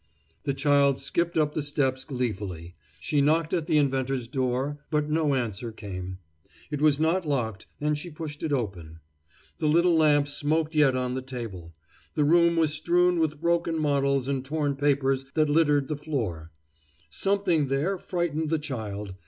The child skipped up the steps gleefully. She knocked at the inventor's door, but no answer came. It was not locked, and she pushed it open. The little lamp smoked yet on the table. The room was strewn with broken models and torn papers that littered the floor. Something there frightened the child.